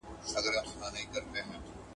يادوه مي ته، مړوي به مي خداى.